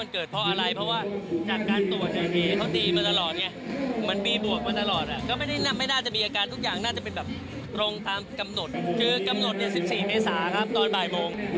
ตรงตามกำหนดที่๑๔เมาสาครับตอนบ่ายโมง